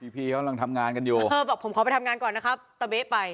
พี่เขากำลังทำงานกันอยู่เธอบอกผมขอไปทำงานก่อนนะครับตะเบ๊ะไป